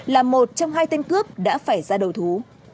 là một trong hai tên cướp đã phải ra đầu thú